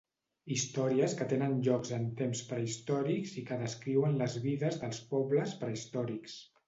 Històries que tenen llocs en temps prehistòrics i que descriuen les vides dels pobles prehistòrics.